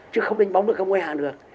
chứ không đánh bóng được không gây hạn được